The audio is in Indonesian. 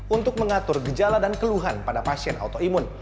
untuk mengatur gejala dan keluhan pada pasien autoimun